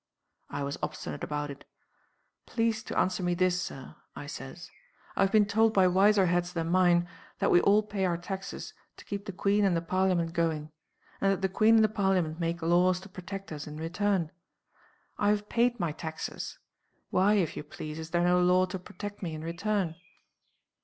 "I was obstinate about it. 'Please to answer me this, Sir,' I says. 'I've been told by wiser heads than mine that we all pay our taxes to keep the Queen and the Parliament going; and that the Queen and the Parliament make laws to protect us in return. I have paid my taxes. Why, if you please, is there no law to protect me in return?